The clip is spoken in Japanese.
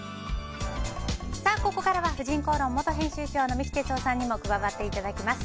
ここからは「婦人公論」元編集長の三木哲男さんにも加わっていただきます。